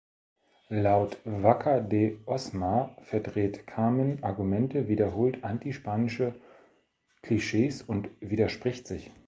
Laut Vaca de Osma verdreht Kamen Argumente, wiederholt anti-spanische Klischees und widerspricht sich.